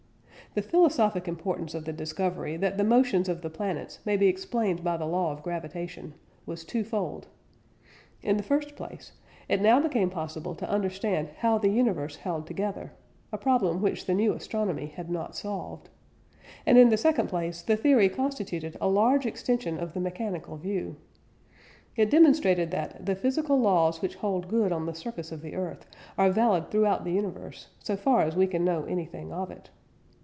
The philosophic importance of the discovery that the motions of the planets may be explained by the "law of gravitation" was twofold. In the first place, it now became possible to understand how the universe held together (a problem which the new astronomy had not solved); and in the second place, the theory constituted a large extension of the mechanical view. It demonstrated that "the physical laws which hold good on the surface of the earth are valid throughout the universe, so far as we can know anything of it."